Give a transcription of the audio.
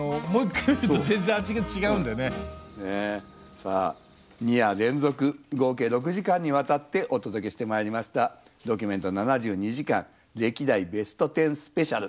さあ２夜連続合計６時間にわたってお届けしてまいりました「ドキュメント７２時間歴代ベスト１０スペシャル」。